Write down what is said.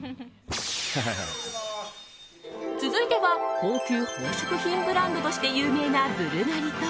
続いては高級宝飾品ブランドとして有名なブルガリと